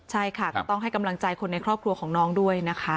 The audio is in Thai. ใช่ค่ะก็ต้องให้กำลังใจคนในครอบครัวของน้องด้วยนะคะ